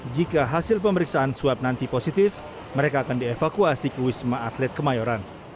jika hasil pemeriksaan swab nanti positif mereka akan dievakuasi ke wisma atlet kemayoran